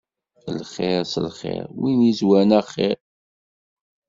Lxir s lxir, win yezwaren axir.